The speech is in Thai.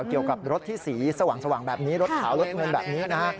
เกี่ยวกับรถที่สีสว่างแบบนี้รถขาวรถเงินแบบนี้นะฮะ